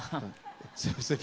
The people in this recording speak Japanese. すみません。